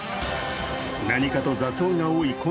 何かと雑音が多い